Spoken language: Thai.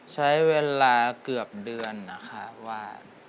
ใช้เวลาเกือบเดือนนะคะว่า